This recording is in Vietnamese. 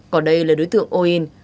còn đây là đối tượng o in